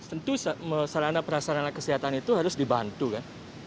tentu sarana prasarana kesehatan itu harus dibantu kan